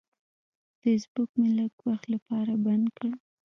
فیسبوک مې لږ وخت لپاره بند کړ.